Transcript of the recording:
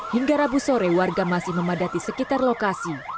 hingga rabu sore warga masih memadati sekitar lokasi